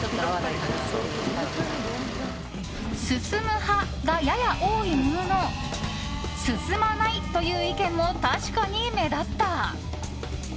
進む派が、やや多いものの進まないという意見も確かに目立った。